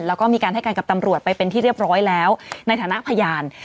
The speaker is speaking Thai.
แล้วก็มีการให้การกับตำรวจไปเป็นที่เรียบร้อยแล้วในฐานะพยาน